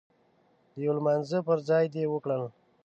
د يو لمانځه پر ځای دې وکړل.